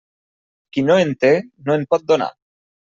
Qui no en té, no en pot donar.